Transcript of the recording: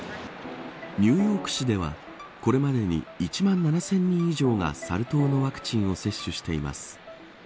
ニューヨーク市ではこれまでに１万７０００人以上がサル痘のワクチンを接種しています。